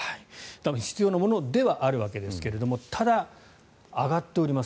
必要なものではあるわけですがただ、上がっております。